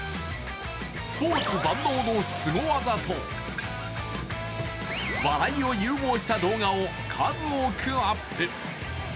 スポーツ万能のすご技と笑いを融合した動画を数多くアップ。